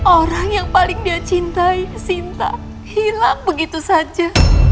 orang yang paling dia cintai sinta hilang begitu saja